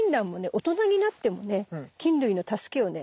大人になってもね菌類の助けをね